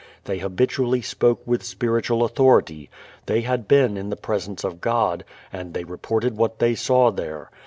They habitually spoke with spiritual authority. They had been in the Presence of God and they reported what they saw there.